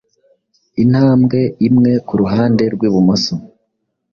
intambwe imwe kuruhande rwibumoso